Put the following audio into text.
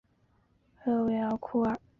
勒韦尔库尔。